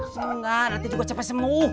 semu nggak nanti gua cepet semuh